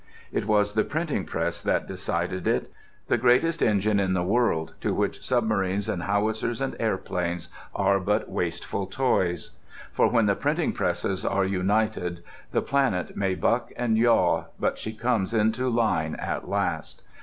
It was the printing press that decided it: the greatest engine in the world, to which submarines and howitzers and airplanes are but wasteful toys. For when the printing presses are united the planet may buck and yaw, but she comes into line at last.